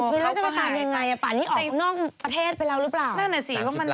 จริงแล้วจะไปตามอย่างไรอะออกออกนอกประเทศไปแล้วหรือเปล่านั่นเนี่ยสิว่ามันมาแล้วเนอะ